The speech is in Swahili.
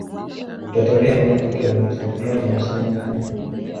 Utatembea urefu wa kilomita elfu moja hamsini na nne